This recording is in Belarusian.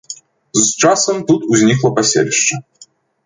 З часам тут узнікла паселішча.